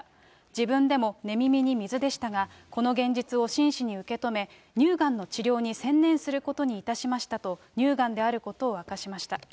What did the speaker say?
自分でも寝耳に水でしたが、この現実を真摯に受け止め、乳がんの治療に専念することにいたしましたと、乳がんであることを明かしました。